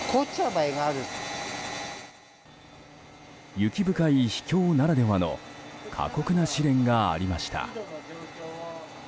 雪深い秘境ならではの過酷な試練がありました。